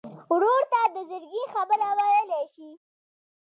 ورور ته د زړګي خبره ویلی شې.